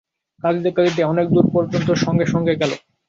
কাঁদিতে কাঁদিতে অনেক দূর পর্যন্ত সঙ্গে সঙ্গে গেল।